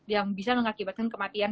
yang bisa mengakibatkan kematian